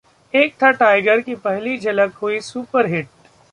'एक था टाइगर' की पहली झलक हुई सुपर हिट